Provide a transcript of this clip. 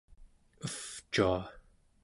evcua